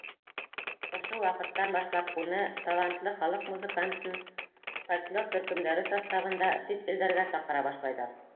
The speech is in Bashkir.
Ошо ваҡыттан башлап уны, талантлы халыҡ музыкантын, фольклор төркөмдәре составында сит илдәргә саҡыра башлайҙар.